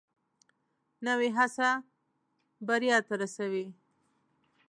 نوې هڅه بریا ته رسوي